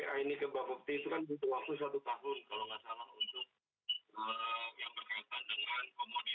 nah ini kan meskipun saat ini masih digodok ya bursa aset crypto di bapepti